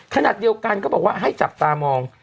ขณะเดียวกันก็บอกว่าให้จับตามอง